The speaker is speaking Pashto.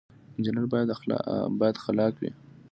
انجنیر باید خلاق وي